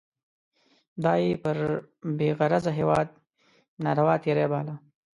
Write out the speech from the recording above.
دا یې پر بې غرضه هیواد ناروا تېری باله.